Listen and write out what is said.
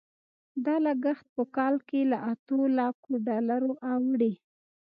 دا لګښت په کال کې له اتو لکو ډالرو اوړي.